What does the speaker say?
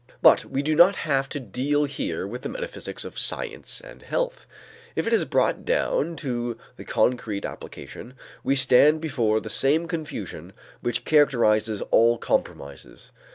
But we do not have to deal here with the metaphysics of "Science and Health." If it is brought down to the concrete application, we stand before the same confusion which characterizes all compromises.